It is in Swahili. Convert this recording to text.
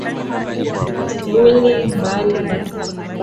Uli mbali.